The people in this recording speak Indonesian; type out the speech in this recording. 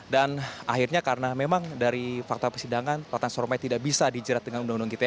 dan akhirnya karena memang dari fakta persidangan ratang sarumpait tidak bisa dijerat dengan undang undang ite